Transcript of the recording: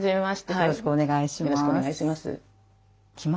よろしくお願いします。